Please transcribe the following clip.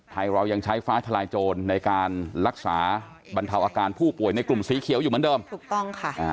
เรายังใช้ฟ้าทลายโจรในการรักษาบรรเทาอาการผู้ป่วยในกลุ่มสีเขียวอยู่เหมือนเดิมถูกต้องค่ะ